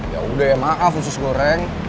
yaudah ya maaf usus goreng